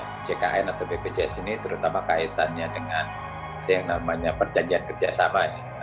bjkn atau bpjs ini terutama kaitannya dengan yang namanya perjanjian kerjasama